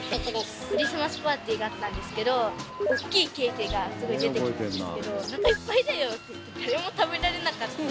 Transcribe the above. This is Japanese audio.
クリスマスパーティーがあったんですけどおっきいケーキがすごい出てきたんですけどおなかいっぱいだよって言って誰も食べられなかった。